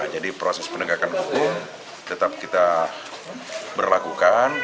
jadi proses penegakan hukum tetap kita berlakukan